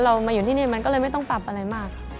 มาอยู่ที่นี่มันก็เลยไม่ต้องปรับอะไรมาก